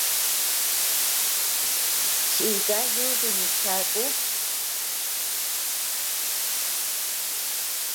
Chika yuntu ñeʼe chaku.